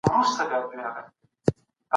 افغانستان یو ښکلی هیواد دی زه فرانسې کې ژوند کوم.